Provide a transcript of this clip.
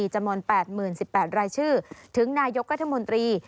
จำนวน๘๐๑๘รายชื่อถึงนายกรัฐมนตรี